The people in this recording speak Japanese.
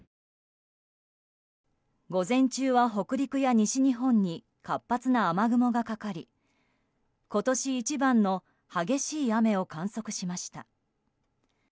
午前中は北陸や西日本に活発な雨雲がかかり今年一番の激しい雨を観測しました。